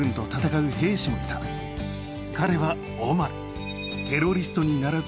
彼はオマル。